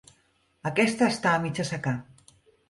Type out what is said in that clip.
Aquesta està a mig assecar.